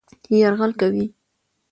يرغل کوي